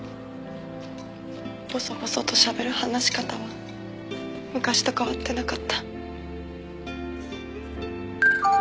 ボソボソとしゃべる話し方は昔と変わってなかった。